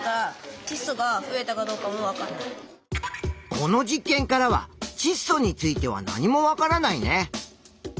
この実験からはちっ素については何も分からないね。